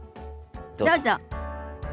どうぞ。